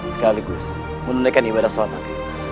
sekaligus menundaikan ibadah salam